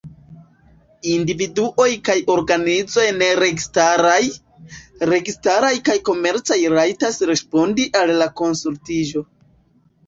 Individuoj kaj organizoj neregistaraj, registaraj kaj komercaj rajtas respondi al la konsultiĝo.